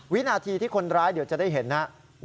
วินาทีที่คนร้ายเดี๋ยวจะได้เห็นนะครับ